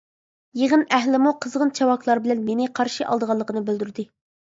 يىغىن ئەھلىمۇ قىزغىن چاۋاكلار بىلەن مېنى قارشى ئالىدىغانلىقىنى بىلدۈردى.